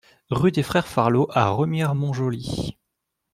Rue des Frères Farlot à Remire-Montjoly